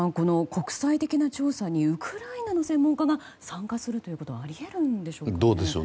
国際的な調査にウクライナの専門家が参加するということはありえるんでしょうか。